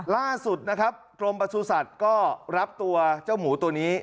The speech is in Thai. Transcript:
ล่าสุดนะครับกรมประสุทธิ์ก็รับตัวเจ้าหมูตัวนี้